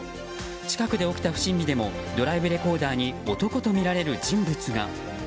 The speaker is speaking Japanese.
近くで起きた不審火でもドライブレコーダーに男とみられる人物が。